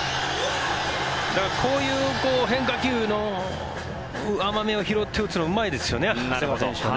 こういう変化球の甘めを拾って打つのはうまいですよね、長谷川選手は。